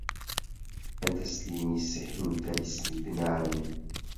کە تەسلیمی سیحر و تەلیسمی بنارن